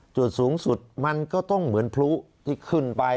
จุดสูงสุดมันก็ต้องเหมือนพลุที่ขึ้นไป